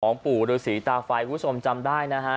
ปู่ฤษีตาไฟคุณผู้ชมจำได้นะฮะ